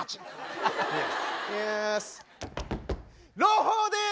朗報です！